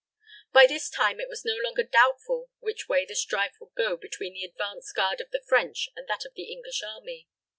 By this time it was no longer doubtful which way the strife would go between the advance guard of the French and that of the English army.